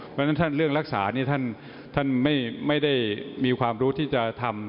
เพราะฉะนั้นท่านเรื่องรักษานี่ท่านไม่ได้มีความรู้ที่จะทำ